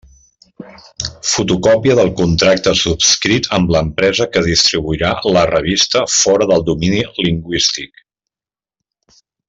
Fotocòpia del contracte subscrit amb l'empresa que distribuirà la revista fora del domini lingüístic.